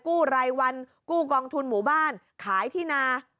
กู้รายวันกู้กองทุนหมู่บ้านขายที่นา